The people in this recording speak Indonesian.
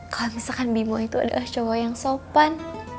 kalau misalkan bimo itu adalah cowok yang sopan